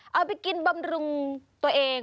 เอาไปกินบำรุงตัวเอง